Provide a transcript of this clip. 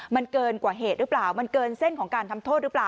มันเกินกว่าเหตุหรือเปล่ามันเกินเส้นของการทำโทษหรือเปล่า